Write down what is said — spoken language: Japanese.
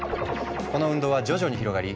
この運動は徐々に広がり